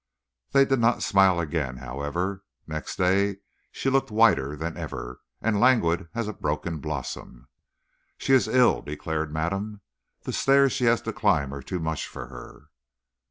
They did not smile again, however. Next day she looked whiter than ever, and languid as a broken blossom. "She is ill," declared madame. "The stairs she has to climb are too much for her."